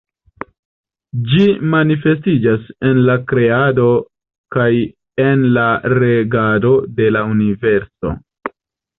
Ĝi manifestiĝas en la kreado kaj en la regado de la universo.